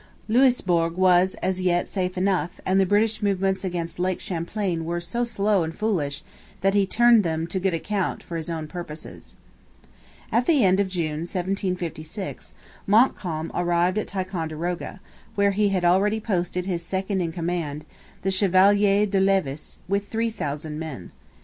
Louisbourg was, as yet, safe enough; and the British movements against Lake Champlain were so slow and foolish that he turned them to good account for his own purposes. At the end of June, 1756, Montcalm arrived at Ticonderoga, where he had already posted his second in command, the Chevalier de Levis, with 3,000 men.